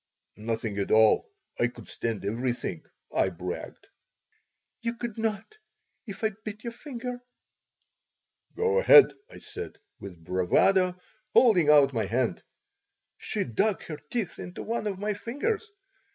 "Nothing at all. I could stand everything," I bragged "You could not, if I bit your finger." "Go ahead!" I said, with bravado, holding out my hand. She dug her teeth into one of my fingers.